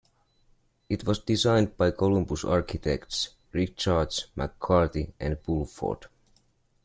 It was designed by Columbus architects Richards, McCarty and Bulford.